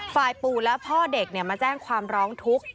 ฝ่ายปู่และพ่อเด็กมาแจ้งความร้องทุกข์